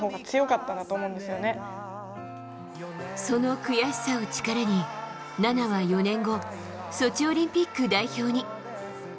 その悔しさを力に菜那は４年後、ソチオリンピック代表に。